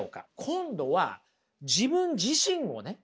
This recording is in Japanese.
今度は自分自身をね